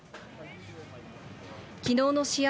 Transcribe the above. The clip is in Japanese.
きのうの試合